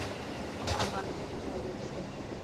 আমার মেয়ে মরেছে।